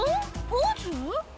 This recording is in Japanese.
ポーズ？